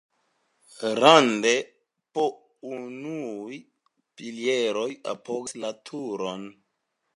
Rande po unuj pilieroj apogas la turon.